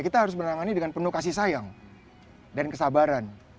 kita harus menangani dengan penuh kasih sayang dan kesabaran